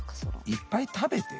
いっぱい食べて？